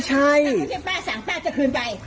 จัดกระบวนพร้อมกัน